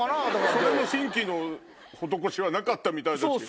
それの新規の施しはなかったみたいだし。